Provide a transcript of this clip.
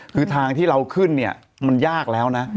คือทางที่เราขึ้นเนี่ยมันยากแล้วนะ